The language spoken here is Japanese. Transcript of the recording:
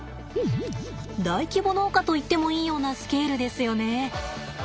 大規模農家といってもいいようなスケールですよね。